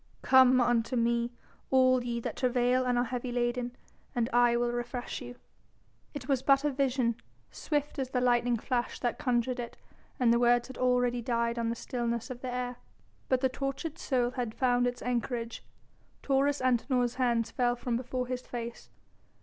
"Come unto me, all ye that travail and are heavy laden, and I will refresh you." It was but a vision, swift as the lightning flash that conjured it and the words had already died on the stillness of the air. But the tortured soul had found its anchorage. Taurus Antinor's hands fell from before his face.